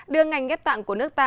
đưa ngành ghép tạng của nước ta